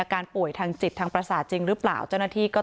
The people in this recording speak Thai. ป่วยทางจิตทางประสาทจริงหรือเปล่าเจ้าหน้าที่ก็